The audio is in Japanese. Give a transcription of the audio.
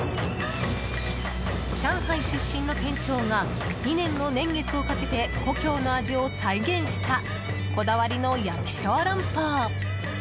上海出身の店長が２年の年月をかけて故郷の味を再現したこだわりの焼き小龍包。